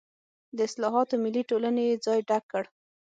د اصلاحاتو ملي ټولنې یې ځای ډک کړ.